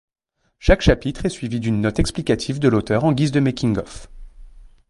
Chaque chapitre est suivi d’une note explicative de l'auteur en guise de making-of.